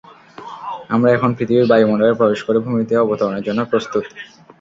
আমরা এখন পৃথিবীর বায়ুমন্ডলে প্রবেশ করে ভূমিতে অবতরণের জন্য প্রস্তুত।